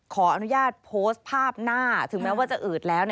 ขออนุญาตโพสต์ภาพหน้าถึงแม้ว่าจะอืดแล้ว